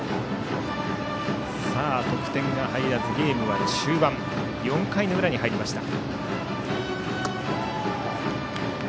得点が入らずゲームは中盤４回の裏に入りました。